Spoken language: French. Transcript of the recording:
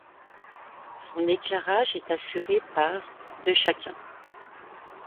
Son éclairage est assuré par de chacun.